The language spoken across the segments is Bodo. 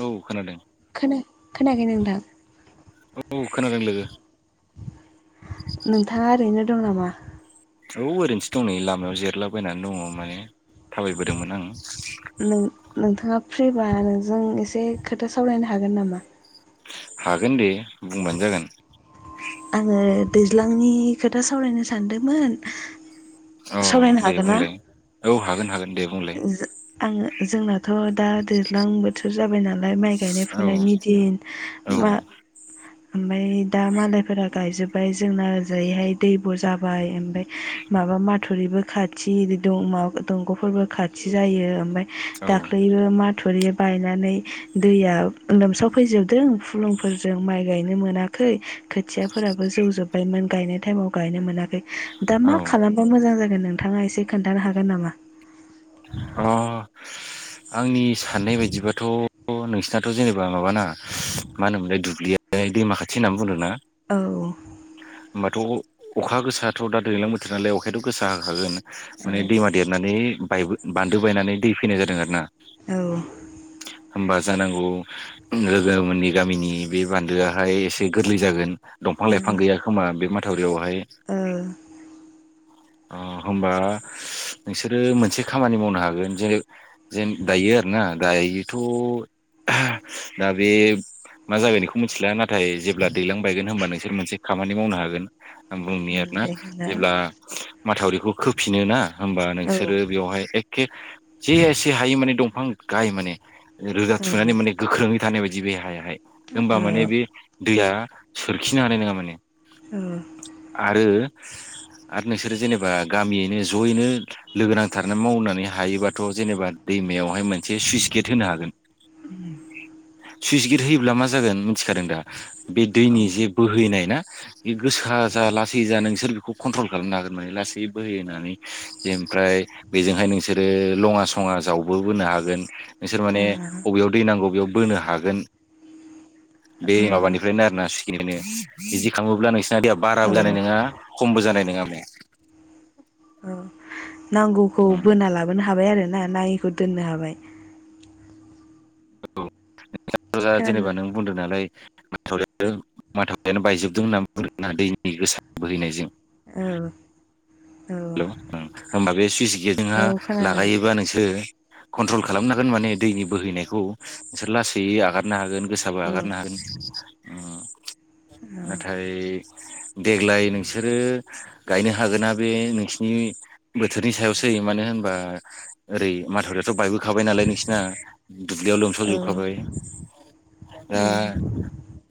औ खोनादों खोना-खोनाखै नोंथां औ खोनादों लोगो नोंथाङा ओरैनो दं नामा औ ओरैनोथि दं नै लामायाव जिरलाबायनानै दङ माने थाबायबोदोंमोन आं नों नोंथाङा फ्रिबा नोंजों एसे खोथा सावरायनो हागोन नामा हागोन दे बुंबानो जागोन आङो दैज्लांनि खोथा सावरायनो सानदोंमोन अ सावरायनो दे हागोन ना बुंलाय औ हागोन हागोन दे बुंलाय आङो जोंनाथ' दा दैज्लां बोथोर जाबाय नालाय माइ गायनाय औ फुनायनि औ दिना ओमफ्राय दा मालायफोरा गायजोब्बाय जोंना ओजायैहाय दैबो' जाबाय ओमफ्राय माबा माथुरिबो खाथि दंग'फोरबो खाथि जायो ओमफ्राय औ दाख्लैबो माथुरि बायनानै दैया लोमसाव फैजोबदों फुलुंफोरजों माइ गायनो मोनाखै खोथियाफोराबो जौजोब्बायमोन गायनाय टाइमाव गायनो मोनाखै दा औ मा खालामबा मोजां जागोन नोंथाङा एसे खोन्थानो हागोन नामा अ आंनि साननाय बायदिबाथ' औ नोंसिनाथ' जेनेबा माबाना मा होनोमोनलाय दुब्लिया दैमाख खाथि होनना बुंदों ना औ होमबाथ' अखा गोसायथ' दा दैज्लां बोथोर नालाय अखायाथ' गोसा होखागोन औ माने दैमा देरनानै बान्दो बायनानै दै फैनाय जादों आरो ना औ होमबा जानांगौ लोगो मोननि गामिनि बे बान्दोआहाय एसे गोरलै जागोन दंफां लाइफां गैया खोमा बे माथावरियावहाय औ होमबा नोंसोरो मोनसे खामानि मावनो हागोन जे जेन दायो आरोना दायोथ' दा बे मा जागाय बेखौ मिथिला नाथाय जेब्ला दैलां बायगोन होनबा नोंसोर मोनसे खामानि मावनो हागोन आं बुंनि आरोना दे खोन्था जेब्ला माथावरिखौ खोफिनो ना होमबा औ नोंसोरो बेवहाय एखे जे एसे हायो माने दंफां गाय माने रोजा औ थुनानै माने गोख्रोङै थानाय बायदि बे हायाहाय होमबा माने बे दैया सोरखिनो हानाय नङा माने आरो आरो नोंसोरो जेनेबा गामियैनो जयैनो लोगो नांथार माने मावनानै हायोबाथ' जेनेबा दैमायावहाय मोनसे सुइस गेट होनो हागोन सुइस गेट होयोब्ला मा जागोन मिथिखादों दा बे औ दैनि औ जे बोहैनाय ना बे गोसोआ जा लासै जा नोंसोर बेखौ कन्ट्रल खालामनो हागोन माने लासै बोहै होनानै ओमफ्राय बेजोंहाय नोंसोरो लङा सङा जावबो बोनो हागोन नोंसोर औ माने बबेयाव दै नांगौ बबेयाव बोन होनो हागोन [inaudible] बे माबानिफ्रायनो आरो ना सिखिनिफ्रायनो बिदि खालामोब्ला नोंसिनाया बाराबो जानाय औ नङा खमबो जानाय नङामे नांगौखौ बोना लाबोनो हाबाय आरो ना नाङिखौ दोननो हाबाय औ खोनादों जेनेबा नों बुंदों नालाय माथावरि माथावरिानो बायजोबदों होनना बुंदोंना‌ दैनि गोसा बोहैनायजों औ औ हेल' होमबा बे सुइस औ गेटजोंहा खोनादों लागायोबा नोंसोर कन्ट्रल खालामन हांगोन माने दैनि बोहैनायखौ नोंसोर लासै आगारनो हागोन। गोसाबो औ आगारनो हागोन। नाथाय देग्लाय नोंसोरो गायनो हागोना बे नों खिनि बोथोरनि सायावसै मानो होनबा ओरै माथावरि थ बायबोखाबाय नालाय नोंसिना दुब्लियाव औ लोमसावजोबखाबाय। दा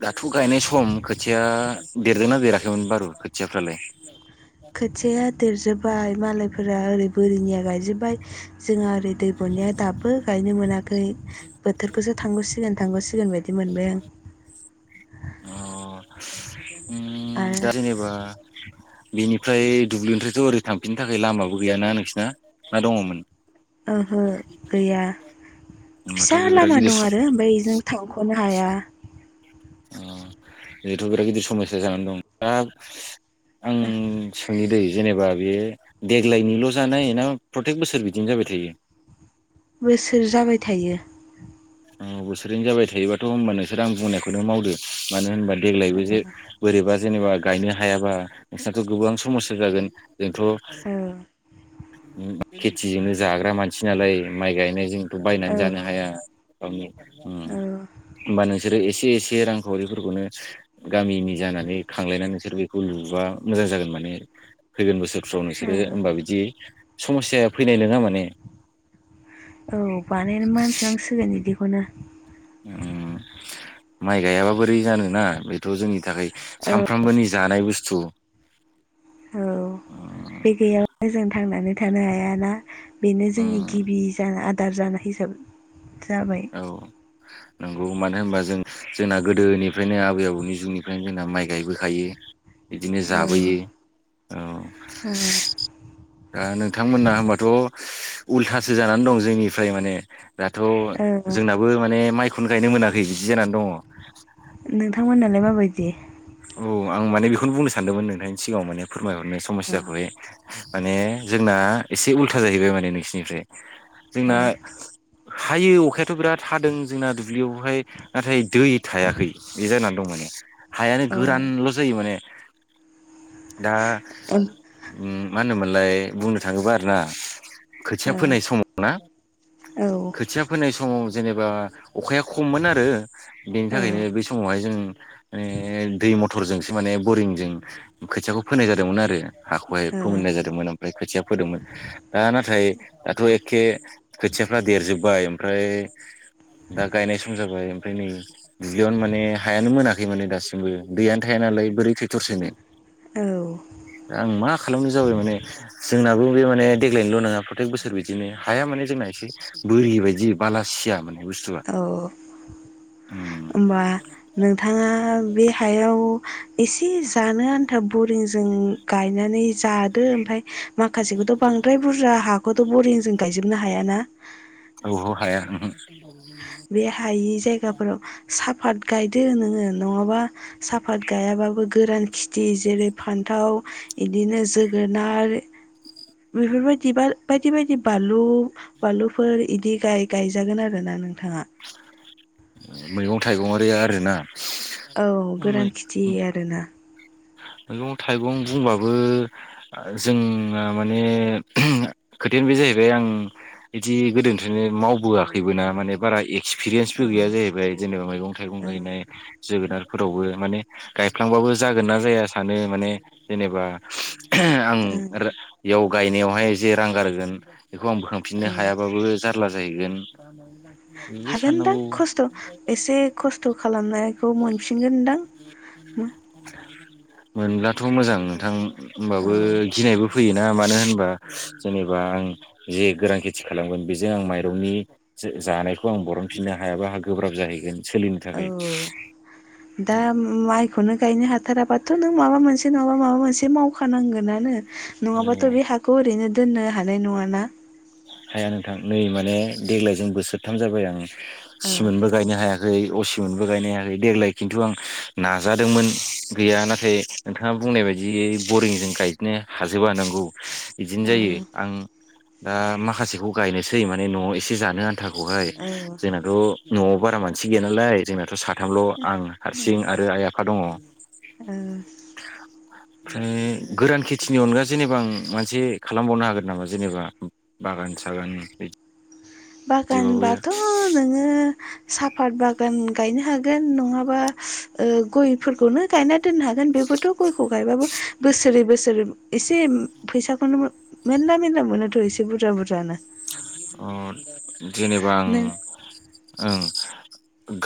दाथ' गायनाय सम खोथिया। देरदोंना देराखैमोन बारु खोथियाफ्रालाय खोथिया देरजोब्बाय मालायफोरा ओरै बोरिनिया गायजोबबाय जोंहा ओरै दै बुनाया दाबो गायनो मोनाखै बोथोरखौसो थांगौसिगोन थांगौसि सिगोन बायदि मोनबाय आं उ आरो दा जेनावबा [unintelligible] बेनिफ्राय दुब्लिनिफ्रायथ' ओरै थांफिननो थाखाय लामाबो गैयाना नोंसोरना ना दङमोन ओहो गैया होनबाथ' फिसा बे बिराद लामा गिदिर दं आरो ओमफ्राय बेजों थांख'नो हाया जिथ' बिराद गिदिर समयया जानानै दं दा आं सोंनि दै जेनेबा बेयो देग्लायनिल' जानाय ना प्रतेक बोसोर बिदिनो जाबाय थायो बोसोर जाबाय थायो। औ बोसोरैनो जाबाय थायोबाथ' होनबा नोंसोर आं बुंनायखौनो मावदो मानो होनबा। देग्लायबो जे बोरैबा जेनेबा गायनो हायाबा नोंसिनाथ' गोबां समस्या जागोन। जोंथ' औ खेथिजोंनो जाग्रा मानसि नालाय माइ गायनायजों बायनानै जानो औ हाया गावनि औ होबा नोंसोरो एसे एसे रांखावरिफोरखौनो गामिनि जानानै खांलायनानै नोंसोर बेखौ लुबा मोजां जागोन माने फोगोन बोसोर स्राव औ नोंसोरो होमबा बिदि समस्या फैनाय नोङा माने औ बानाय मानस' नांसिगोन बिदिखौनो माइ गायाबा बोरै जानोना बेथ' जोंनि थाखाय सामफ्रामबोनि जानाय बुस्थु औ उम बे गैयाबानो जों थांनानै थानो हायाना बेनो जोंनि उम गिबि जाग्रा आदार जानाय हिसाबै औ नंगौ मानो होनबा जों जोंना गोदोनिफ्रायनो आबै आबौनि जुगनिफ्रायनो जोंना माइ गायबोखायो बिदिनो औ ओ जाबोयो औ दा नोंथांमोना होनबाथ' उल्थासो जानानै दं जोंनिफ्राय माने दाथ' ओ जोंनाबो माने माइखौनो गायनो मोनाखै बिदि जानानै दङ नोंथांमोनालाय माबायदि औ आं माने बेखौनो बुंनो सानदोंमोन नोंथांनि सिगाङाव माने फोरमायहरनो ओ समस्याखौहाय माने जोंना एसे उल्था जाहैबाय माने नोंसिनिफ्राय जोंना औ हायो अखायाथ' बिराद हादों जोंना दुब्लियावहाय नाथाय दै थायाखै बे जानानै दं माने हायानो औ गोरानल' जायो माने दा औ मा होनोमोनलाय बुंनो थाङोबा आरो ना खोथिया औ औ फोनाय समाव ना खोथिया फोनाय समाव जेनेबा अखाया खममोन आरो बेनि थाखायनो बे समावहाय जों दै मथरजोंसो माने बरिंजों खोथियाखौ फोनाय जादोंमोन आरो हाखौहाय फोमोननाय जादोंमोन ओमफ्राय खोथिया फोदोंमोन दा नाथाय दाथ' एखे खोथियाफ्रा देरजोब्बाय ओमफ्राय दा गायनाय सम जाबाय ओमफ्राय नै दुब्लियावनो माने हायानो मोनाखै माने दासिमबो दैयानो थाया नालाय बोरै थो थरसेनो ओ आं मा खालामनो जाबाय माने जोंनाबो बे माने देग्लायनिल' नङा प्रतेक बोसोर बिदिनो हाया माने जोंना एसे बोरि बायदि बालासिया माने बुस्थुवा औ औ उ। होमबा नोंथाङा बे हायाव एसे जानो आन्था बरिंजों गायनानै जादो ओमफ्राय माखासेखौथ' बांद्राय बुरजा हाखौथ' बरिंजों गायजोबनो हायाना। औ हाया। बे हायि जायगाफोराव सा साफात गायदो नोङो नङाबा साफात गायाबाबो गोरान खेथि जेरै फान्थाव इदिनो जोगोनार बेफोरबायदि बार बायदि बायदि बानलु बानलुफोर इदि गाय-गायजागोन आरो ना नों। थाङा। मैगं थाइगं आरि आरोना? औ गोरान खेथि आरोना। मैगं थाइगं बुंबाबो जोंना माने खोथायानो बे जाहै जाहैबाय आं बिदि गोदोनिफ्रायनो मावबोआखैबो ना माने बारा एक एक्सपिरियेन्सबो गैया जाहैबाय जेनेबा मैगं थाइगं गायनाय जोगोनार फोरावबो माने गायफ्लांबाबो जागोनना जाया सानो माने जेनेबा आं रो इयाव गायनायावहाय जे रां गारगोन बेखौ आं बोखांफिननो हायाबाबो जारला जाहैगोन। बेबो हागोनदां साननांगौ खस्थ' एसे खस्थ' खालामनायखौ मोनफिनगोनदां। मोनब्लाथ' मोजां नोंथां औ होमबाबो गिनायबो फैयोना मानो होनबा जेनेबा आं जे गोरान खेथि खालामगोन बेजों आं माइरंनि जो जानायखौ आं बरनफिननो हायाबा आंहा गोब्राब जाहैगोन। सोलिनो थाखाय औ दा माइखौनो गायनो हाथाराबाथ' नों माबा मोनसे नङाबा माबा मोनसे मावखानांगोनानो। नङाबाथ' औ बे हाखौ ओरैनो दोननो हानाय नङाना। हाया नोंथां नै माने देग्लायजों बोसोरथाम जाबाय आं औ सिमोनबो गायनो हाया खै असिमोनबो गायनो हायाखै देग्लाय खिन्थु आं नाजादोंमोन गैया नाथाय नोंथाङा बुंनाय बायदियै बरिंजों गायजोबनो हाजोबा नंगौ बिदिनो जायो आं दा माखासेखौ गायनोसै माने न'आव एसे जानो आन्थाखौहाय औ जोंनाथ' न'आव बारा मान सि गैया नालाय जोंनाथ' साथामल' आं हारसिं आरो आइ आफा दङ। ओ ओमफ्राय गोरान खेथिनि अनगा जेनेबा आं मोनसे खालामबावनो हागोन नामा जेनेबा बागान सागान बेदि बागानबाथ' नोङो साफात बागान गायनो हागोन नङाबा ओ गयफोरखौनो गायना दोननो हागोन बेबोथ' गयखौ गायबाबो बोसोरे बोसोरे एसे फैसाखौनो मेरला मेरला मोनोथ' एसे बुरजा। बुरजानो अ जेनेबा आं नों ओं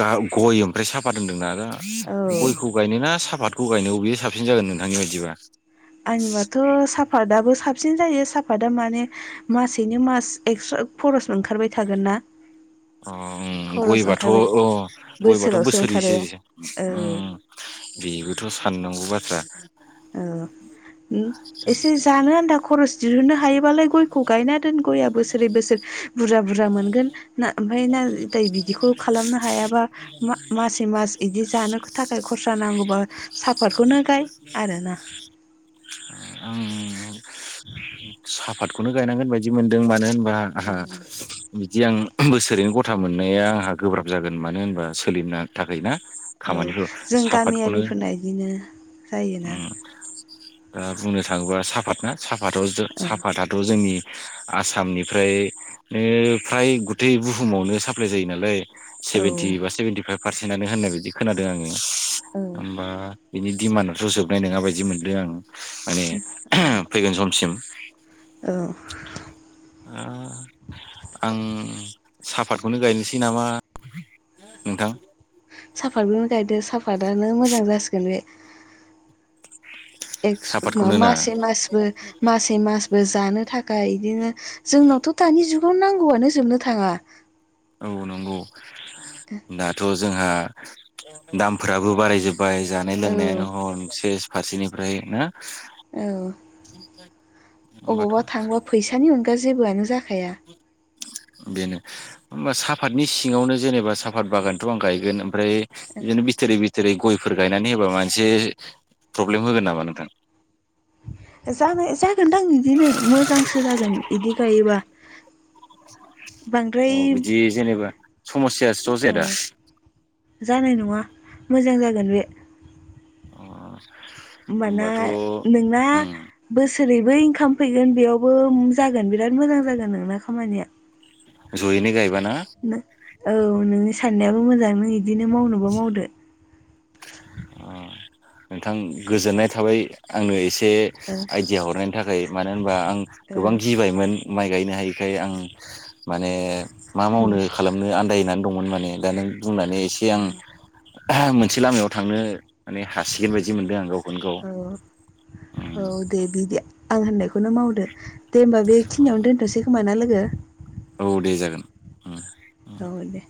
गा गय ओमफ्राय साफात होन्दोंना दा औ गयखौ गायनो ना साफत खौ गायनो अबे साबसिन जागोन नोंथांनि बायदिबा? आंनिबाथ' साफातआबो साबसिन जायो। साफादा माने मासेैनो मास एक्सट्रा खरस ओंखारबाय थागोन ना। अ ओ खरस ओंखारबाय गयबाथ' अ गयबाथ' बोसोरावसो ओंखारो बोसोरेसो औ उ। बेबोथ' साननांगौ बाथ्रा। औ उ एसे जानो आनथा खरस दिहुननो हायोबालाय गयखौ गायना दोन गयआ बोसोरे बोसोर बुरजा बुरजा मोनगोन ना ओमफ्राय नाथाय बिदिखौ खालामनो हायाबा मा मासे मास इदि जानो ख थाखाय खरसा नांगौबा साफातखौनो गाय। आरोना [inaudible] आं साफातखौनो गायनांगोन बायदि मोनदों मानो होन बा आहा बिदि आं बोसोरैनो गथा मोननाया आंहा गोब्राब जागोन मानो होनबा सोलिनो थाखाय ना औ खामानिखौ जों साहाफातखौनो गामियारिफोरना बिदिनो जायोना उम दा बुंनो थाङोबा साफात ना साफाथाव साफााथाथ' जोंनि आसामनिफ्रायनो फ्राय गुतै बुहुमावनो साप्लाय जायो नालाय सेभेन्टि औ बा सेभेेनटि फाइभ पारसेन्टनो होननाय बिदि खोनादों आङो औ होमबा बिनि डिमान्डआथ' जोबनाय नङा बायदि मोनदों आं माने फैगोन समसिम दा आं साफातखौनो गायनोसै नामा नोंथां साफातखौनो गायदो साफातानो मोजां जासिगोन बे एक्स नङा साहापातखौनो ना मासे मासबो मासे मासबो जानो थाखाय इदिनो जोंनाव थ' दानि जुगाव नांगौआनो जोबनो थाङा औ नंगौ दाथ' जोंहा दामफ्राबो बाराय जोब बाय जानाय औ लोंनायानो हम सेस फारसेनिफ्राय ना औ होमबाथ' अबावबा थांबा फैसानि अनगा जेबोआनो जाखाया बेनो होमबा साफतनि सिङावनो जेनेबा साफात बागानथ' आं गायगोन ओमफ्राय बिदिनो बिथोरि बि रि गयफोर गायनानै होबा माबा मोनसे प्रब्लेम होगोन नामा नोंथां जानाय जागोनदां बिदिनो मोजांसो जागोन इदि गायोबा बांद्राय औ बिदि जेनेबा समस्यासो ज' औ जाया दा जानाय नङा मोजां जागोन बे अ ओमबाना होमबाथ' नोंना उम बोसोरैबो इंकाम फैगोन बेयावबो जागोन बिराद मोजां जागोन नोंना खामानिया जयैनो गायबाना औ नोंनि साननायाबो मोजां नों इदिनो मावनोबा मावदो अ नोंथां गोजोननाय थाबाय आंनो एसे ओ आइडिया हरनायनि थाखाय मानो होनबा आं गोबां ओ गिबायमोन माइ गायनो हायिखाय आं माने मा मावनो खालामनो आन्दायनानै दंमोन माने दा नों बुंनानै एसे आं मोनसे लामायाव थांनो माने हासिगोन बायदि मोनदों आं गाव गावखौनो औ औ उम दे बिदि आं होननायखौनो मावदो दे होमबा बेखिनियावनो दोनथ'सै खोमाना लोगो औ दे जागोन उम औ दे